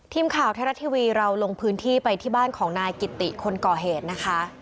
ทีมข่าวไทยรัฐทีวีเราลงพื้นที่ไปที่บ้านของนายกิติคนก่อเหตุนะคะ